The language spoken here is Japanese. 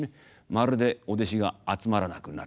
まるでお弟子が集まらなくなってきた。